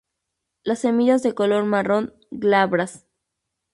Las semillas de color marrón, glabras.